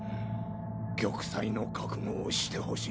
玉砕の覚悟をしてほしい。